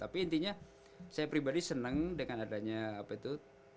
tapi intinya saya pribadi senang dengan adanya apa itu